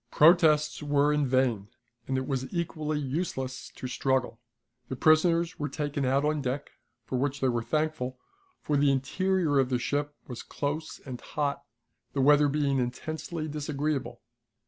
Protests were in vain, and it was equally useless to struggle. The prisoners were taken out on deck, for which they were thankful, for the interior of the ship was close and hot, the weather being intensely disagreeable.